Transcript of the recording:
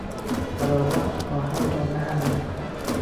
حرارت آهن را نرم میکند.